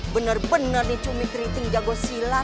bener bener nih cumi keriting jago silat